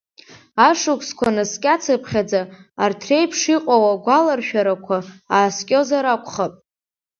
Ашықәсқәа наскьацыԥхьаӡа, арҭ реиԥш иҟоу агәалашәарақәа ааскьозар акәхап…